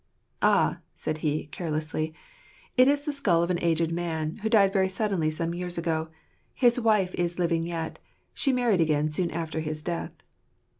" Ah," said he, carelessly, "it is the skull of an aged man, who died very suddenly some years ago: his wife is living yet ; she married again soon after his death."